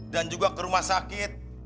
dan juga ke rumah sakit